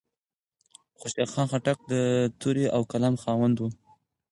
خوشال خان خټک د تورې او قلم خاوند و.